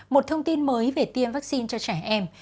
một thông tin mới về tiêm vaccine cho trẻ em